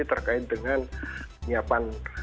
terkait dengan penyiapan